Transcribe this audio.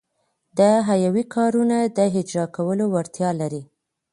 د حیوي کارونو د اجراکولو وړتیا لري.